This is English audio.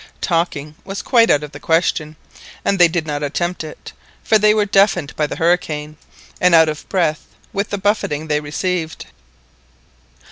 Talking was quite out of the question, and they did not attempt it, for they were deafened by the hurricane, and out of breath with the buffeting they received.